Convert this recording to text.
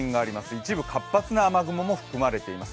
一部活発な雨雲も含まれています。